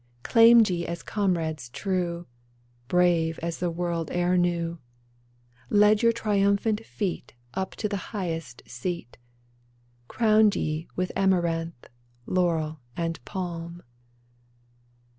Claimed ye as comrades true, Brave as the world e'er knew ; Led your triumphant feet Up to the highest seat. Crowned ye with amaranth, Laurel and palm.